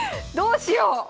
どうしよう！